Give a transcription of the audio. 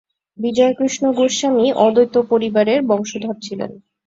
বিজয়কৃষ্ণ গোস্বামী অদ্বৈত পরিবারের বংশধর ছিলেন।